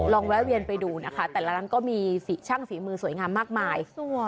แวะเวียนไปดูนะคะแต่ละร้านก็มีสีช่างฝีมือสวยงามมากมาย